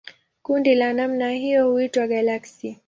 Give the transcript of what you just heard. Kundi la namna hiyo huitwa galaksi.